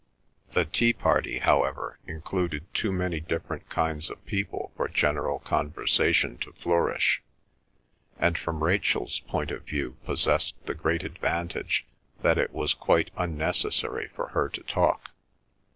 The tea party, however, included too many different kinds of people for general conversation to flourish; and from Rachel's point of view possessed the great advantage that it was quite unnecessary for her to talk.